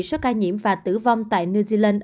số ca nhiễm và tử vong tại new zealand